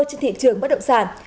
trên thị trường bất động sản